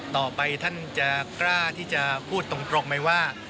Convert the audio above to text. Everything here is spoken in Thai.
ต่อไปท่านจะกล้าที่จะพูดตรงไหมว่า